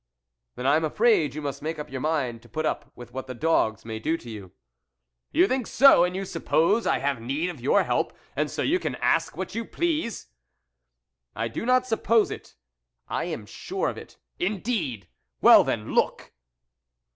" Then I am afraid you must make up your mind to put up with what the dogs may do to you." " You think so, and you suppose I have need of your help, and so you can ask what you please ?"" I do not suppose it, I am sure of it." " Indeed ! well then, look."